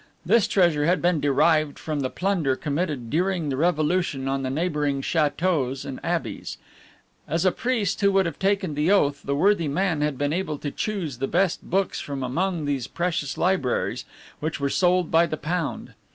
This treasure had been derived from the plunder committed during the Revolution in the neighboring chateaux and abbeys. As a priest who had taken the oath, the worthy man had been able to choose the best books from among these precious libraries, which were sold by the pound.